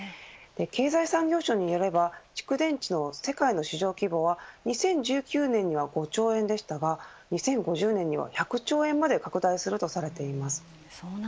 経済産業省によれば蓄電池の世界の市場規模は２０１９年には５兆円でしたが２０５０年には１００兆円まで拡大するとされています。